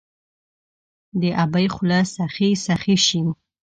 د ابۍ خوله سخي، سخي شي